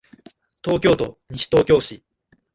東京都西東京市